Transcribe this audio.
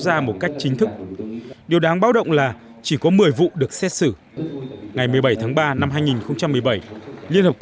ra một cách chính thức điều đáng báo động là chỉ có một mươi vụ được xét xử ngày một mươi bảy tháng ba năm hai nghìn một mươi bảy liên hợp